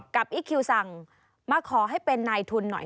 อีคคิวสั่งมาขอให้เป็นนายทุนหน่อย